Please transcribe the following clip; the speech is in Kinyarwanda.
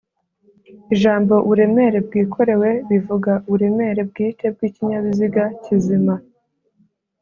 ijambo’’uburemere bwikorewe’’bivuga uburemere bwite bw’ikinyabiziga kizima